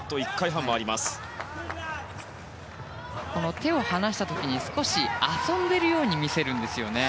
手を放した時に少し遊んでいるように見せるんですよね。